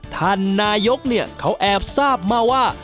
ท่านนายกเนี่ยเขาแอบทราบมาว่า